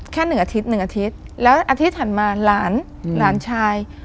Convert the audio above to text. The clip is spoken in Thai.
หนึ่งอาทิตย์หนึ่งอาทิตย์แล้วอาทิตย์ถัดมาหลานหลานชาย